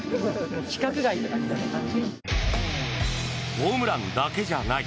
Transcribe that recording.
ホームランだけじゃない。